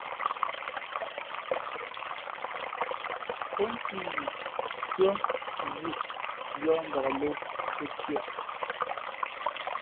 Pó nthʉ̌nʉα, nkhʉ́ά, nzʉ̄ʼ mbiᾱᾱ mbak lō pó tiē.